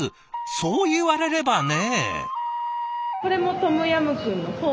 そう言われればね。